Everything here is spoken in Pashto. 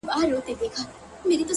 هره لاسته راوړنه د صبر له لارې راځي